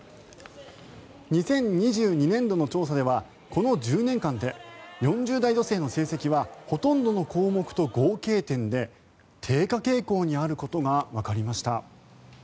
２０２２年度の調査ではこの１０年間で４０代の女性の成績はほとんどの項目と合計点で低下傾向にあることがわかりました。